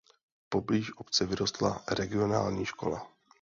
Poblíž obce vyrostla regionální škola.